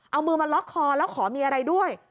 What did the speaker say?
เอามือมาล็อกคอแล้วขอมีอะไรด้วย